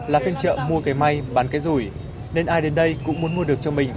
là phiên chợ mua cây may bán cây rủi nên ai đến đây cũng muốn mua được cho mình